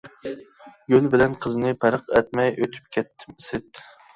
گۈل بىلەن قىزنى پەرق ئەتمەي ئۆتۈپ كەتتىم، ئىسىت!